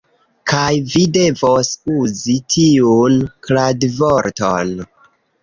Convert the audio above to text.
Kaj vi devos uzi tiun kradvorton.